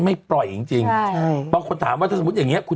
ไม่ปล่อยจริงจริงใช่บางคนถามว่าถ้าสมมุติอย่างเงี้คุณ